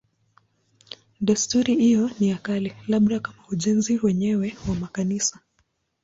Desturi hiyo ni ya kale, labda kama ujenzi wenyewe wa makanisa.